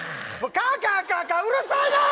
かかかかうるさいねん！